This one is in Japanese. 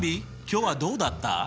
今日はどうだった？